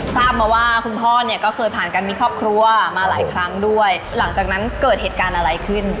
ทราบมาว่าคุณพ่อเนี่ยก็เคยผ่านการมีครอบครัวมาหลายครั้งด้วยหลังจากนั้นเกิดเหตุการณ์อะไรขึ้น